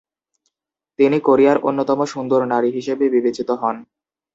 তিনি কোরিয়ার অন্যতম সুন্দর নারী হিসেবে বিবেচিত হন।